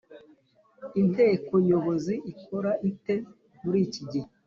Inteko Nyobozi ikora ite muri iki gihe‽